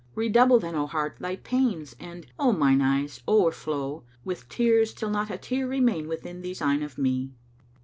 Redouble then, O Heart, thy pains and, O mine eyes, o'erflow * With tears till not a tear remain within these eyne of me?